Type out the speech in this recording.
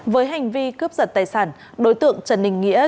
với hành vi cướp giật tài sản đối tượng trần đình nghĩa